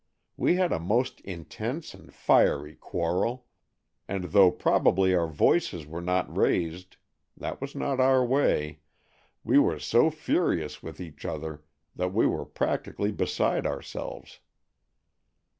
We had a most intense and fiery quarrel, and though probably our voices were not raised—that was not our way—we were so furious with each other that we were practically beside ourselves.